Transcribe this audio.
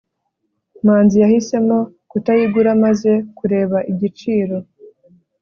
manzi yahisemo kutayigura amaze kureba igiciro